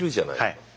はい。